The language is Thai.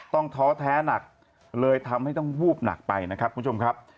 ท้อแท้หนักเลยทำให้ต้องวูบหนักไปนะครับคุณผู้ชมครับ